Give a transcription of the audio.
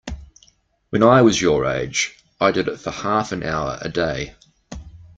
When I was your age, I did it for half-an-hour a day.